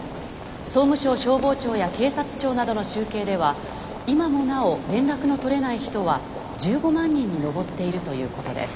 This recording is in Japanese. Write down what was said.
総務省消防庁や警察庁などの集計では今もなお連絡の取れない人は１５万人に上っているということです。